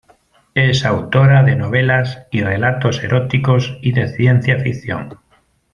Es autora de novelas y relatos eróticos y de ciencia ficción.